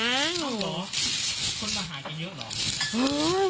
อ้างหรอคนมาหายแกเยอะหรอ